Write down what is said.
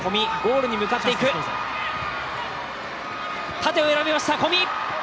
縦を選びました、小見！